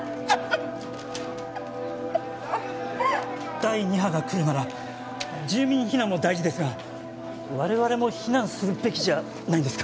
第二波が来るなら住民避難も大事ですが我々も避難するべきじゃないんですか？